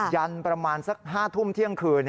ยันประมาณสัก๕ทุ่มเที่ยงคืน